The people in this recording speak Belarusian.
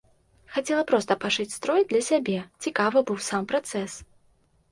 Хацела проста пашыць строй для сябе, цікавы быў сам працэс.